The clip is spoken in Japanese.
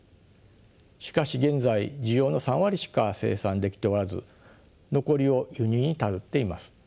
しかし現在需要の３割しか生産できておらず残りを輸入に頼っています。